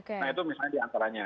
nah itu misalnya di antaranya